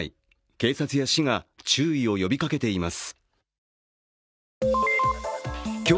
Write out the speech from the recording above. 警察や市が注意を呼びかけています。